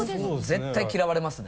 絶対嫌われますね。